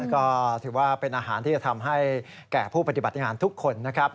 ก็ถือว่าเป็นอาหารที่จะทำให้แก่ผู้ปฏิบัติงานทุกคนนะครับ